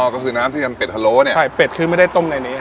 ก็คือน้ำที่ทำเป็ดพะโล้เนี่ยใช่เป็ดคือไม่ได้ต้มในนี้